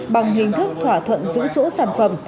bằng hình thức thỏa thuận giữ chỗ sản phẩm